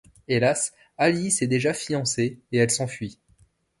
Hélas, Alice est déjà fiancée et elle s'enfuit.